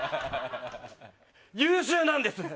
優秀なんです。